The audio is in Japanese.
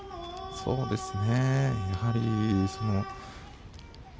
そうですね。